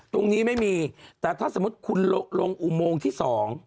ตรงนี้ไม่มีแต่ถ้าสมมุติคุณลงอุโมงที่สอง